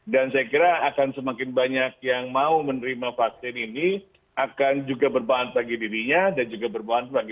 dan saya kira akan semakin banyak yang mau menerima vaksin ini akan juga berbahan bagi dirinya dan juga berbahan bagi orang lain